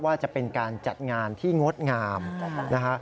ว่าจะเป็นการจัดงานที่งดงามนะฮะ